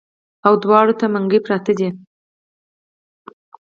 او دواړو ته منګي پراتۀ دي